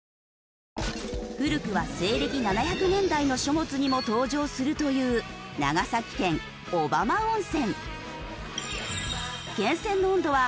古くは西暦７００年代の書物にも登場するという長崎県小浜温泉。